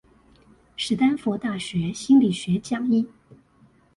史丹佛大學心理學講義